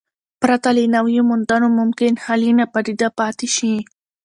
پرته له نویو موندنو ممکن حل یې ناپایده پاتې شي.